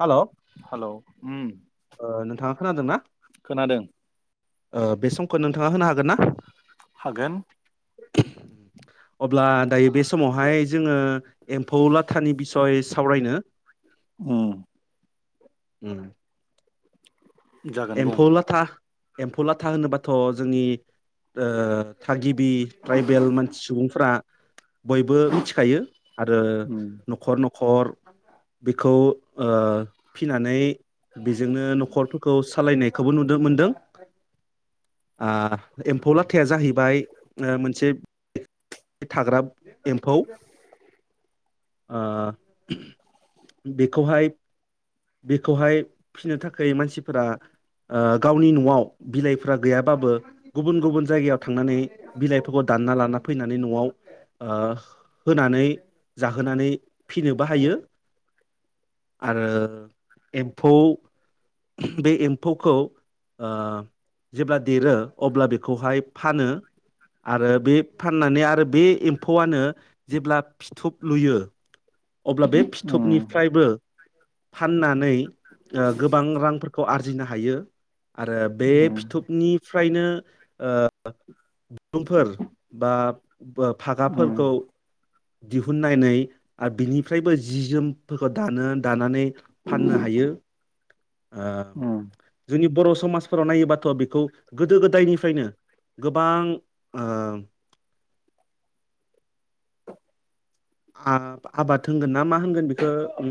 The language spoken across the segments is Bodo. हालौ हालौ उम नोंथांङा खोनादों ना? खोनादों ओ बे समखौ नोंथांङा होनो हागोन ना? हागोन। अब्ला दायो बे समावहाय जोंङो एम्फौ लाथानि बिसय सावरायनो उम उम जागोन बुं एम्फौ लाथा एम्फौ लाथा होनोबाथ' जोंनि ‌ओ थागिब बि ट्राइबेल मानसि सुबुंफ्रा बयबो मिथिखायो आरो उम न'खर न'ख खर बेखौ ओ फिनानै बेजों नो न'खर खौ सालायनायखौबो नु नो मोनदों। आ एम्फौ लाथाया जाहैबाय ओ मोनसे थाग्रा एम्फौ आ बेखौहाय बेखौहाय फिनो थाखाय मानसि फोर‌ आ गावनि न'आव बिलाइफोरा गैयाबाबो गुबुन गुबुन जायगायाव थांनानै बिलाइफोरखौ दानना लाना फैनानै आ न'आव होनानै जाहोनानै फिनोबो हायो आरो एम्फौ बे एम्फौखौ ओ जेब्ला देरो अब्ला बेखौहाय फानो आरो बे फाननानै आरो बे एम्फौआनो जेब्ला फिथुब लुयो अब्ला बे उम फिथोबनिफ्रायबो फाननानै ओ गोबां रां आरजिनो हायो आरो बे उम फिथोबनि फ्रायनो ओ [inaudible] सुबुंफोर बा बो उम फागाफोरखौ दिहुननानै आरो बिनिफ्रायबो जि जोमफोरखौ दानो दानानै फाननो हायो। ओ उम जोंनि बर' समाजफोराव नायोबाथ' बेखौ गोदो गोदायनिफ्रायनो गोबां ओ आबाद होनगोन ना मा होनगोन बेखो ओ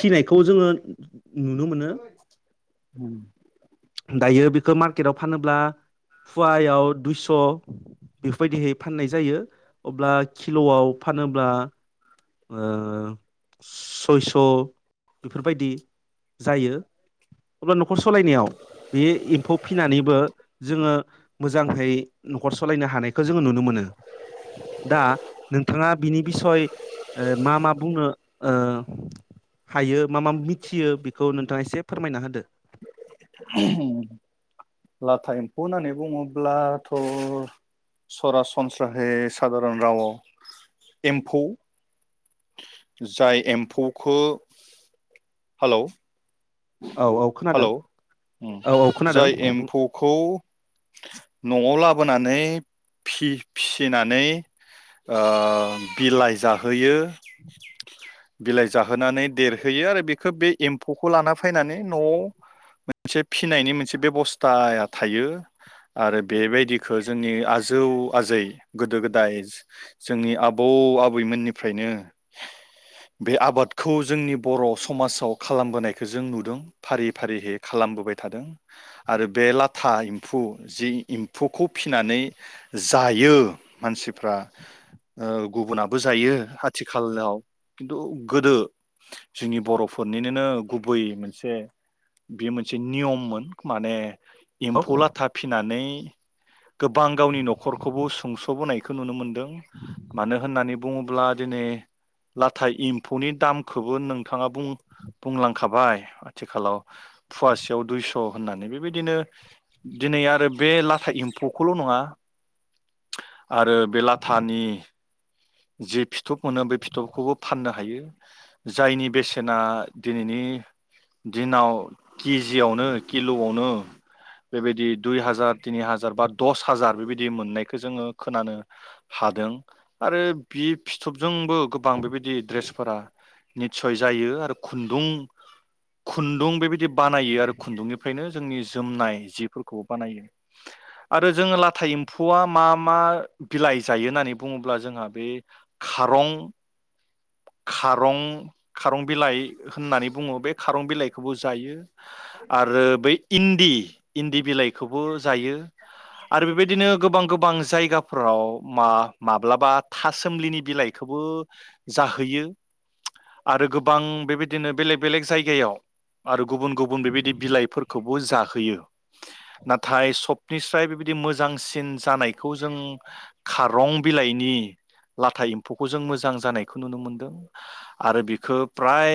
फिनायखौ जोङो नुनो मोनो उम दायो बेखो मार्केटआव फानोब्ला फुवायाव दुइस' बेफोरबायदिहै फाननाय जायो अब्ला किल'आव फानोब्ला ओ सयस' बेफोरबायदि जायो अब्ला न'खर सलायनायाव बे एम्फौ फिनानैबो जोङो मोजांहै न'खर सालायनो हानायखो जोङो नुनो मोनो दा नोंथाङा बिनि बिसय ओ मा मा ओ बुंनो ओ हायो मा मा मिथियो बेखौ नोंथाङा एसे फोरमायना होदो। लाथा एम्फौ होननानै बुङोब्लाथ' सरासनस्राहै सादारन रावआव एम्फौ जाय एम्फौखो हालौ औ औ खोनादों हालौ औ औ खोनादों जाय बुं एम्फौखौ न'आव ला लाबोनानै फि-फिसिनानै ओ बिलाइ जाहोयो [inaudible] बिलाइ जाहोनानै देरहोयो आरो बेखौ बे एम्फौखौ लाना फैनानै न'आव मोनसे फिसिनायनि मोनसे बेबस्थाया थायो। आरो बेबायदिखो जोंनि आजौ आजै गोदो गोदाय जोंनि आबौ आबैमोननिफ्रायनो बे आबादखौ जोंनि बर' समाजाव खालामबोनाय बखौ जों नुदों फारि फारिहै खालामबोबाय थादों आरो बे लाथा एम्फौ जि एम्फौखौ फिसिनानै जायो मानसिफ्रा ओ गुबुनाबो जायो आथिखालाव किन्तु गोदो जोंनि बर'फोरनिनोनो गुबै मोनसे बेयो मोनसे नियममोन माने औ एम्फौ लाथा फिनानै गोबां गावनि न'खरखौबो सुंस'बोनाय खो नुनो मोन दों मानो होननानै बुङोब्ला दिनै लाथा एम्फौनि दामखोबो नोंथाङा बुं लांखाबाय आथिखालाव फवासेयाव दुइस' होननानै बेबायदिनो दिनै आरो बे लाथा एम्फौखौल' नङा आरो बे लाथानि जे फि थुब मोनो बे फिथबखौबो फाननो हायो जायनि बेसेना दिनैनि दिनाव के जि यावनो किल'आवनो बेबायदि दुइ हाजार तिनि हाजार बा दस हाजार बेबायदि मोननायखौ जोङो खोनानो हादों आरो बि फिथबजोंबो गोबां बेबायदि द्रेसफोरा नितसय जायो आरो खुन्दुं खुन्दुं बेबायदि बानायो आरो खुन्दुंनिफ्रायनो जोंनि जोमनाय जिफोरखौबो बानायो आरो जोङो लाथा एम्फौआ मा मा बिलाइ जायो नानै बुङो ब्ला जोंहा बे खारं खारं खारं बिलाइ होननानै बुङो बे खारं बिलाइखौबो जायो। आरो बै इन्दि इन्दि बिलाइखौबो जायो आरो बेबायदिनो गोबां गोबां जायगाफोराव मा-माब्लाबा थासोमलिनि बिलाइखोबो जाहैयो आरो गोबां बेबायदिनो बेलेग बेलेग जायगायाव आरो गुबुन गुबुन बेबायदि बिलाइफोर खौबो जाहोयो नाथाय सबनिसाय बेबायदि मोजांसिन जानायखौ जों खारं बिलाइनि लाथा एम्फौखौ जों मोजां जानाय खौ नुनो मोनदों आरो बिखो प्राय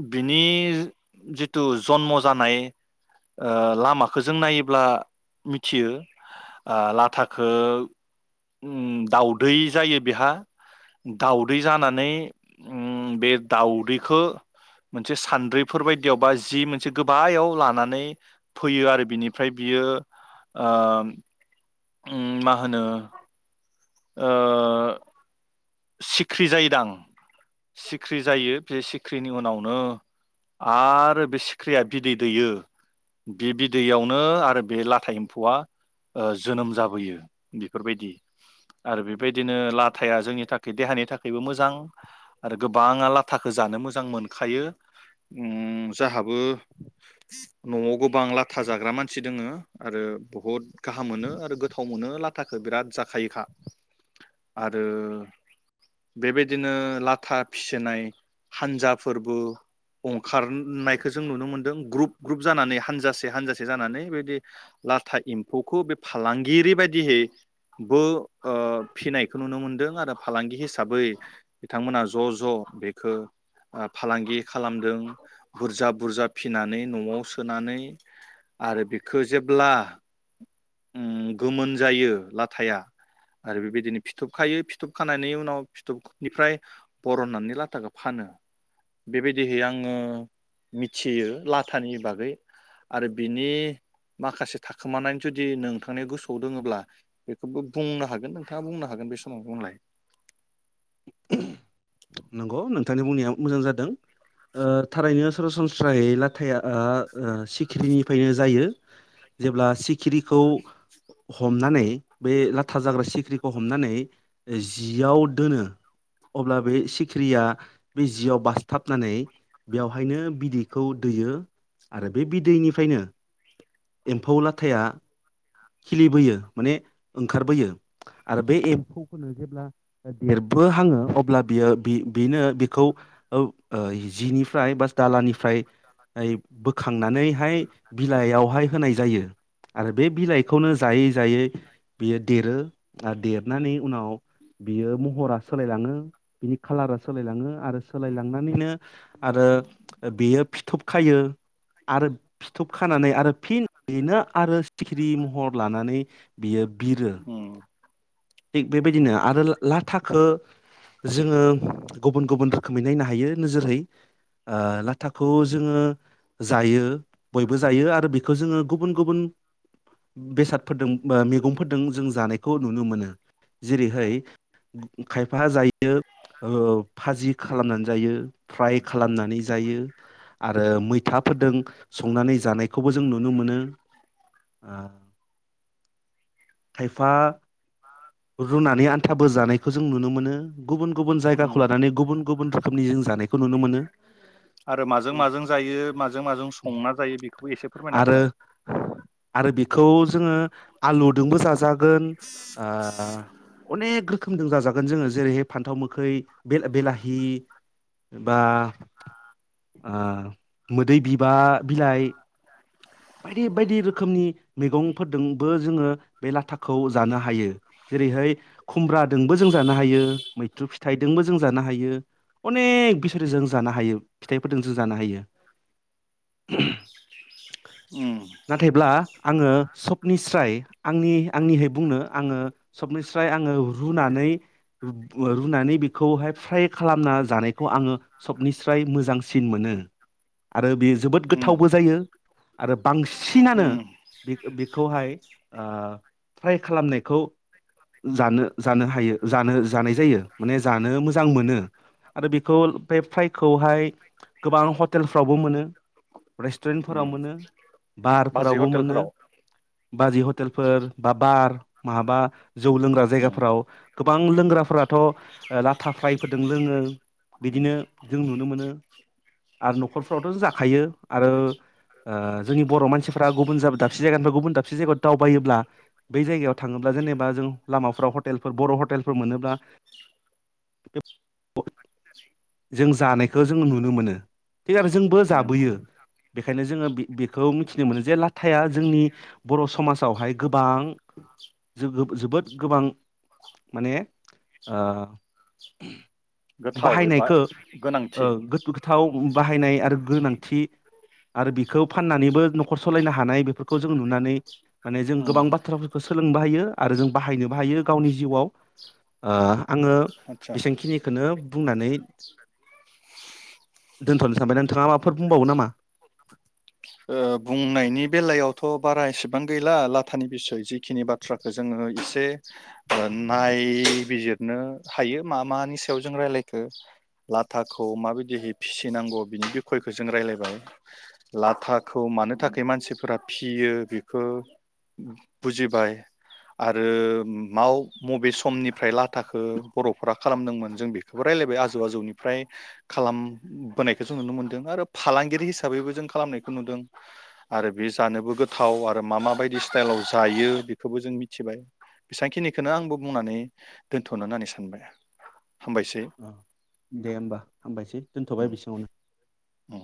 बिनि जितु जन्म जानाय ओ लामाखो जों नायोब्ला मिथियो ओ लाथाखो उम दाउदै जायो बेहा दाउदै जानानै उम बे दाउदैखो मोनसे सान्द्रिफोर बायदियाव बा जि मोनसे गोबायाव लानानै फैयो आरो बिनिफ्राय बियो ओ उम मा होनो? ओ सिख्रि जायोदां। सिख्रि जायो बे सि ख्रिनि उनावनो आरो बे सिख्रिया बिदै दैयो बे बिदैयावनो आरो बे लाथा एम्फौआ ओ जोनोम जाबोयो बेफोरबायदि आरो बेबायदिनो लाथाया जोंनि था देहानि थाखायबो मोजां आरो गोबाङा लाथाखो जानो मोजां मोनखायो उम जाहाबो न'आव गोबां लाथा जाग्रा मानसि दोङो आरो बहुद गाहाम मोनो आरो गोथाव मोनो लाथाखो बिराद जाखायोखा आरो बेबायदिनो लाथा फिसिनाय हान्जाफोरबो अंखारनायखो जों नुनो मोनदों ग्रुप ग्रुप जानानै हान्जासे हान्जासे जानानै बेबायदि लाथा एम्फौखौ बे फालांगिरि बायदिहै बो ओ फिनायखौ नुनो मोनदों आरो फालांगि हिसाबै बिथांमोना ज' ज' बेखो ओ फालांगि खालामदों बुरजा बुरजा फिनानै न'आव सोनानै आरो बेखो जेब्ला उम गोमोन जायो लाथाया आरो बेबायदिनो फिथोबखायो फि थुब खानायनि उनाव फिथबनिफ्राय बरननानै लाथाखो फानो बेबायदिहै आङो मिथियो लाथानि बागै आरो बिनि माखासे थाखोमानाय जुदि नोंथांनि गोसोआव दोङोब्ला बेखौबो बुंनो हागोन नोंथाङा बुंनो हागोन बे समाव बुंलाय। नंगौ नोंथांनि बुंनाया मोजां जादों। ओ थारैनो सरासनस्रायै लाथाया ओ ओ सिखिरिनिफायनो जायो जेब्ला सि खिरिखौ हमनानै बे लाथा जाग्रा सिख्रिखौ हमनानै जियाव दोनो अब्ला बे सिखिरिया बे जियाव बास्थाबनानै बेवहायनो बिदैखौ दैयो आरो बे बिदैनिफ्रायनो एम्फौ लाथाया खिलिबोयो माने ओंखारबोयो आरो बे एम्फौखौनो जेब्ला देरबो हाङो अब्ला बियो बे-बेनो बेखौ [unintelligible] जिनिफ्राय बा दालानिफ्रायहाय बोखांनानैहाय बिलाइयावहाय होनाय जायो आरो बे बिलाइ खौनो जायै जायै बियो देरो आरो देरनानै उनाव बियो महरा सोलायलाङो बिनि खालारा सोलायलाङो आरो सोलायलांनानैनो आरो बेयो फिथब खायो आरो फिथब खानानै आरो फिन इदिनो आरो सिखिरि [unintelligible] लानानै बियो बिरो उम थिग बेबायदिनो उम आरो लाथाखो जोङो गुबुन गुबुन रोखोमै नायनो हानो नोजोरै आ लाथाखौ जोंङो जायो बयबो जायो आरो। बे खौ जोङो गुबुन गुबुन बेसादफोरदों ब मैगंफोरदों जों जानायखौ नुनो मोनो जेरैहाय खायफा जायो बियो ओ फाजि खालामनानै दायो फ्राय खालामनानै जायो आरो मैथा फोरदों संनानै जानायखौबो जों नुनो मोनो आ खायफा रुनानै आन्थाबो जानायखौ जों नुनो मोनो गुबुन गुबुन उम जायगाखौ लानानै गुबुन गुबुन रोखोमनि जों जानायखौ नुनो मोनो आरो माजों माजों जायो माजों माजों संना जायो बेखौबो एसे फोरमायना आरो होलाय आरो। खौ जोङो आलुदोंबो जाजा गोन आ अनेक रोखोमजों जाजागोन जोङो जेरैहाय फान्थाव मोखै बे बिलाहि बा आ मोदै बिबा बिलाइ बायदि बायदि रोखोमनि मैगंफोरदोंबो जोङो बे लाथाखौ जानो हायो जेरैहाय खुमब्रादोंबो जों जानो हायो मैथ्रु फि फिथाइदोंबो जों जानो हायो अनेक बिसोरजों जों जानो हायो फिथाइफोरजों जों जानो हायो उम नाथायब्ला आङो सबनिस्राय आंनि आंनिहाय बुंनो आङो सबनिस्राय आङो रुनानै रुनानै बेखौहाय फ्राय खालामना जानायखौ आङो सबनिस्राय मोजांसिन मोनो आरो बे जोबोद उम गोथावबो जायो आरो। बांसिनानो उम बे बेखौहाय ओ फ्राय खालामनायखौ जानो। जानो हायो जानो जानाय जायो माने जानो मोजां मोनो आरो बेखौ बे फाइखौहाय गोबां हटेलफ्रावबो मोनो उम रेस्टुरेन्टफोराव मोनो बाजै बारफोरावबो मोनो हटेलफोराव बाजै हटेलफोर बा बार माबा जौ लोंग्रा उम जायगाफोराव गोबां लोंग्राफोराथ' लाथा फ्रायफोरजों लोङो उम बिदिनो जों नुनो मोनो आरो न'खरफ्रावथ' जाखायो आरो। ओ जोंनि बर' मानसिफोरा गुबुन जा दाबसे जायगानिफ्राय गुबुन दाब थाबसे जायगायाव दावबायोब्ला बै जायगायाव थाङोब्ला जेनेबा जों लामाफ्राव हटेलफोर बर' हटेलफोर मोनोब्ला [unintelligible] जों जानायखौ जों नुनो मोनो [unintelligible] जोंबो उम जाबोयो बेखायनो जोङो बे बेखौ मिथिनो मोनो जे लाथाया जोंनि बर' समाजावहाय गोबां जोगोब जोबोद गोबां माने ओ गोथाव एबा औ गोनांथि गोथाव बाहायनाय आरो गोनांथि आरो बिखौ फाननानैबो न'खर सालायनो हानाय बेफोरखौ जों नुनानै माने जों उम गोबां बाथ्राफोरखौ सोलोंनोबो हायो। आरो जों बाहायनोबो हायो गावनि जिउआव ओ आङो आदसा बेसांखिनिखौनो बुंनानै [inaudible] दोनथ'नो सानबाय नोंथाङा माबाफोर बुंबावो नामा? ओ बुंनायनि बेलायाव थ' बारा एसेबां गैला लाथानि बिसय जिखिनि बाथ्राखौ जोङो एसे नायबिजिर नो हायो मा मानि सायाव जों रारलायखो लाथाखौ माबखयदिहै फिसिनांगौ बिनि बि खयखौ जों रायलायबाय लाथाखौ मानो थाखाय मानसिफोरा फियो बेखौ बुजिबाय आरो मा मबे समनिफ्राय लाथाखौ बर'फोरा खालामदोंमोन जों बेखौबो रायलायबाय आजौ आजौनिफ्राय खालामबोनायखौ जों नुनो मोनदों। आरो फालांगिरि हिसाबैबो जों खालामनायखौ नुदों। आरो बे जानोबो गोथाव आरो मा माबायदि स्टाइलाव जायो बेखौबो जों मिथिबाय बेसेबांखिनिखौनो आंबो बुंनानै दोनथ'ना होननानै सानबाय। हामबायसै औ दे होमबा हामबायसै दोन्थ'बाय बिसिङावनो। औ।